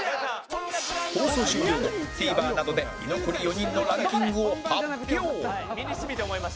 放送終了後 ＴＶｅｒ などで居残り４人のランキングを発表